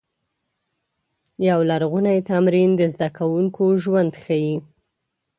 یو لرغونی تمرین د زده کوونکو ژوند ښيي.